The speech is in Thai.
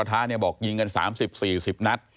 บ้านหมูกระทะเนี่ยบอกยิงกัน๓๐๔๐นัด